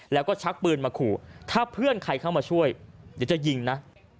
แล้วก็ชักปืนมาขู่ถ้าเพื่อนใครเข้ามาช่วยเดี๋ยวจะยิงนะ